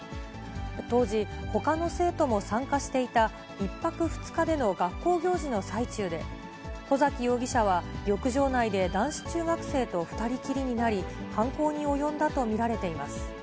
当時、ほかの生徒も参加していた、１泊２日での学校行事の最中で、外崎容疑者は浴場内で男子中学生と２人きりになり、犯行に及んだと見られています。